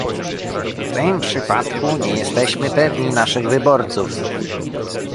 w tym przypadku nie jesteśmy pewni naszych wyborców!